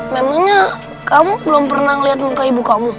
memangnya kamu belum pernah ngeliat muka ibu kamu